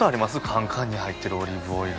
カンカンに入ってるオリーブオイル。